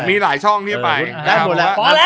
มีหลายช่องที่จะไป